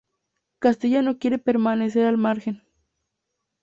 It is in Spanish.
Castilla no quiere permanecer al margen.